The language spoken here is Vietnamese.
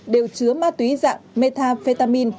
đều chứa ma túy dạng metafetamin